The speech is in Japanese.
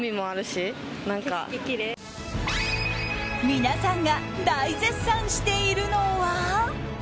皆さんが大絶賛しているのは。